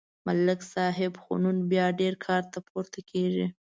ملک صاحب خو نن بیا ډېر کار ته پورته کېږي